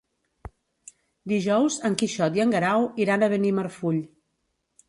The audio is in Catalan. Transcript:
Dijous en Quixot i en Guerau iran a Benimarfull.